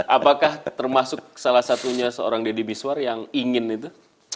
apakah termasuk salah satunya seorang deddy miswar yang ingin itu